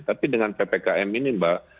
tapi dengan ppkm ini mbak